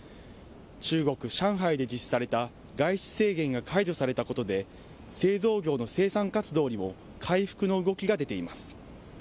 中国・上海で実施された外出制限が解除されたことで製造業の生産活動にも回復の動きが出ています。